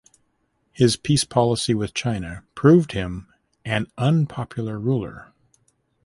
His peace policy with China proved him an unpopular ruler.